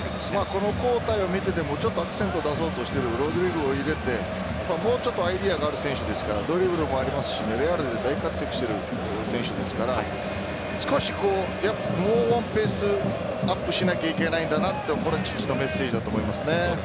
この交代を見てもちょっとアクセントを出そうとしているロドリゴを入れてアイデア力もあるドリブル力ある選手ですからレアルで大活躍している選手ですからもうワンプレスアップしなきゃいけないんだなとこれはチッチのメッセージだと思いますね。